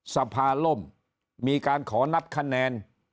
สภาล่มมีการขอนับคะแนน